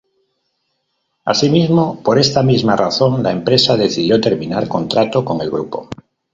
Asimismo, por esta misma razón la empresa decidió terminar contrato con el grupo.